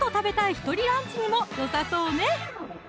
１人ランチにもよさそうね！